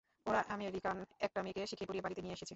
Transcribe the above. ওরা আমেরিকান একটা মেয়েকে শিখিয়ে পড়িয়ে বাড়িতে নিয়ে এসেছে।